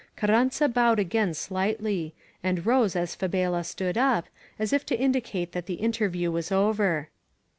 Carranza bowed again slightly, and rose as Fabela stood up, as if to indicate that the interview was over.